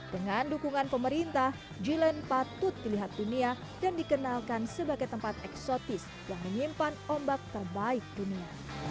dengan dukungan pemerintah jiland patut dilihat dunia dan dikenalkan sebagai tempat eksotis yang menyimpan ombak terbaik dunia